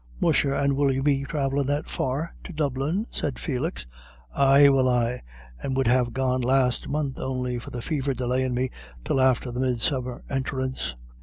"Musha, and will you be thravellin' that far to Dublin?" said Felix. "Ay will I, and would have gone last month on'y for the fever delayin' me till after the midsummer entrance.